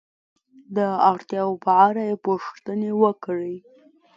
د اړتیاو په اړه یې پوښتنې وکړئ.